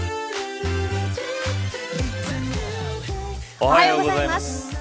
おはようございます。